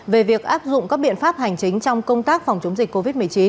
về việc áp dụng các biện pháp hành chính trong công tác phòng chống dịch covid một mươi chín